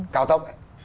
cao tốc ấy